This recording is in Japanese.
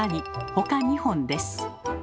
ほか２本です。